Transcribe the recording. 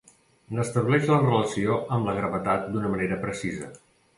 N'estableix la relació amb la gravetat d'una manera precisa.